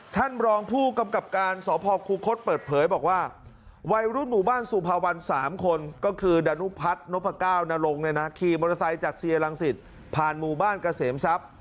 ท่านรองผู้กำกับการสพคูคศเปิดเผยบอกว่าวัยรุ่นหมู่บ้านสุภาวัน๓คนก็คือดานุพัฒนพก้าวนรงขี่มอเตอร์ไซค์จากเซียรังสิตผ่านหมู่บ้านเกษมทรัพย์